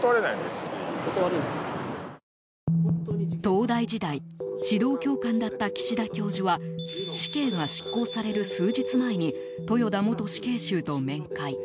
東大時代指導教官だった岸田教授は死刑が執行される数日前に豊田元死刑囚と面会。